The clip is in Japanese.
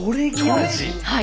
はい。